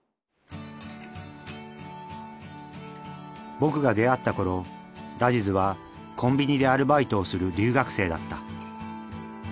僕が出会った頃ラジズはコンビニでアルバイトをする留学生だった。